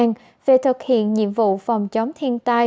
công an về thực hiện nhiệm vụ phòng chống thiên tai